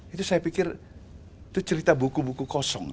itu saya pikir itu cerita buku buku kosong